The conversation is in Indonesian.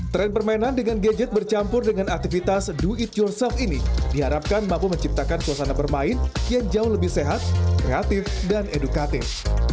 tren permainan dengan gadget bercampur dengan aktivitas do it jource off ini diharapkan mampu menciptakan suasana bermain yang jauh lebih sehat kreatif dan edukatif